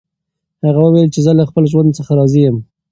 هغه وویل چې زه له خپل ژوند څخه راضي یم.